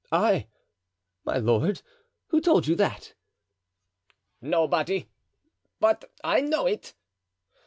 "I! my lord—who told you that?" "Nobody, but I know it."